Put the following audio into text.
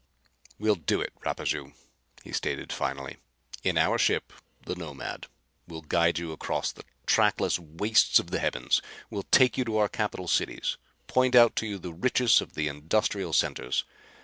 "We'll do it, Rapaju," he stated finally. "In our ship, the Nomad, we'll guide you across the trackless wastes of the heavens. We'll take you to our capital cities; point out to you the richest of the industrial centers.